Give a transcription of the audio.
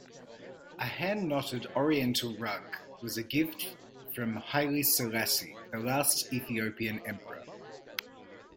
A hand-knotted oriental rug was a gift from Haile Selassie, the last Ethiopian emperor.